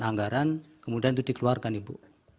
anggaran kemudian itu dikeluarkan ibu